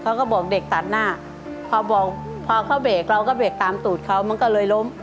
เขาก็บอกเด็กตัดหน้าพอบอกพอเขาเบรกเราก็เบรกตามตูดเขามันก็เลยล้ม